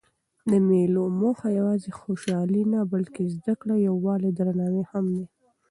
د مېلو موخه یوازي خوشحالي نه؛ بلکې زدکړه، یووالی او درناوی هم دئ.